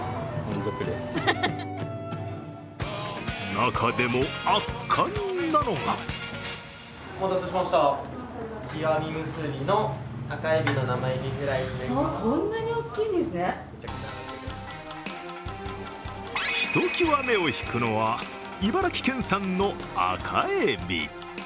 中でも圧巻なのがひときわ目を引くのは茨城県産の赤海老。